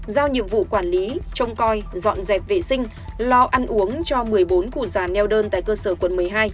giao nhiệm vụ quản lý trông coi dọn dẹp vệ sinh lo ăn uống cho một mươi bốn cụ già neo đơn tại cơ sở quận một mươi hai